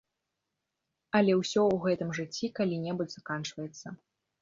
Але ўсё ў гэтым жыцці калі-небудзь заканчваецца.